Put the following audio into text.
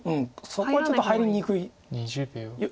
そこはちょっと入りにくい。